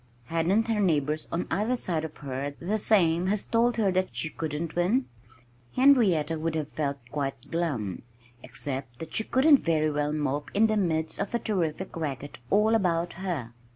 Hadn't her neighbors on either side of her the same as told her that she couldn't win? Henrietta would have felt quite glum, except that she couldn't very well mope in the midst of the terrific racket all about her.